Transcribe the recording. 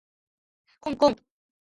こんこん